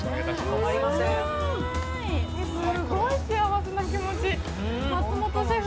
すごい幸せな気持ち、シェフ